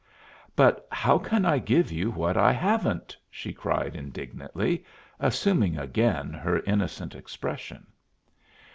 "But how can I give you what I haven't?" she cried, indignantly, assuming again her innocent expression.